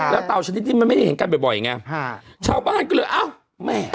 แล้วตั๋วชนิดมันไม่ได้เห็นกันบ่อยอย่างไง